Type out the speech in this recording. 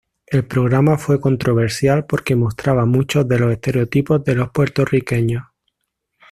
El programa fue controversial porque mostraba muchos de los estereotipos de los puertorriqueños.